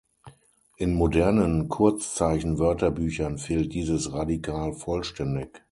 In modernen Kurzzeichen-Wörterbüchern fehlt dieses Radikal vollständig.